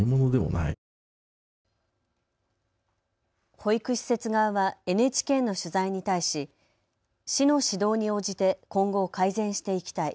保育施設側はＮＨＫの取材に対し市の指導に応じて今後改善していきたい。